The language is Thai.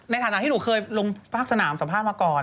ในฐานะที่หนูเคยลงภาคสนามสัมภาษณ์มาก่อน